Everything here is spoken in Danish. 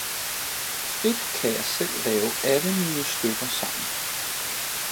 frit kan jeg selv lave alle mine stykker sammen.